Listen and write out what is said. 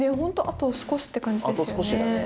あと少しって感じですよね。